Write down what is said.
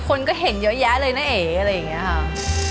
คนก็เห็นเยอะแยะเลยนะเอ๋อะไรอย่างนี้ค่ะ